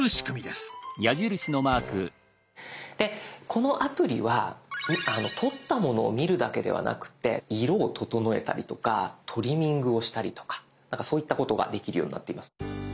でこのアプリは撮ったものを見るだけではなくて色を整えたりとかトリミングをしたりとかそういったことができるようになっています。